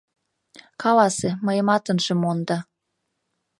Каласе, мыйымат ынже мондо...